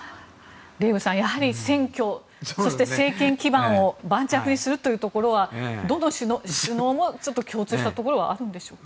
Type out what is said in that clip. デーブさん、選挙そして政権基盤を盤石にするというところはどの首脳も共通したところはあるんでしょうか。